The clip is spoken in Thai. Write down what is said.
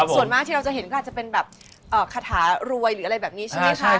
ส่วนมากที่เราจะเห็นก็อาจจะเป็นแบบคาถารวยหรืออะไรแบบนี้ใช่ไหมคะ